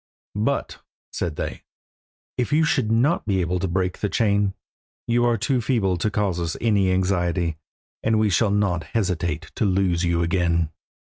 "But," said they, "if you should not be able to break the chain, you are too feeble to cause us any anxiety, and we shall not hesitate to loose you again."